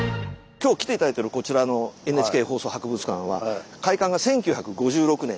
今日来て頂いてるこちらのＮＨＫ放送博物館は開館が１９５６年。